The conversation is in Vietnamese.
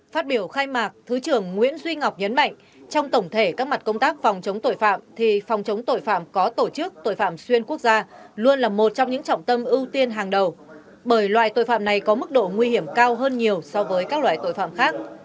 phát biểu khai mạc thứ trưởng nguyễn duy ngọc nhấn mạnh trong tổng thể các mặt công tác phòng chống tội phạm thì phòng chống tội phạm có tổ chức tội phạm xuyên quốc gia luôn là một trong những trọng tâm ưu tiên hàng đầu bởi loại tội phạm này có mức độ nguy hiểm cao hơn nhiều so với các loại tội phạm khác